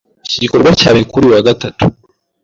Iki gikorwa cyabaye kuri uyu wa Gatatu .